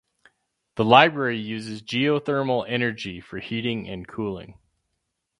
The library uses geothermal energy for heating and cooling.